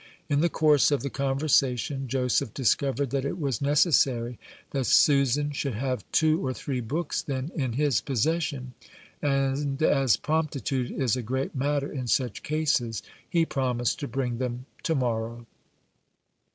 In the course of the conversation Joseph discovered that it was necessary that Susan should have two or three books then in his possession; and as promptitude is a great matter in such cases, he promised to bring them "to morrow."